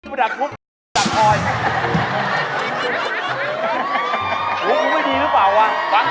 หิบประดับมุกกะปุกประดับพลอย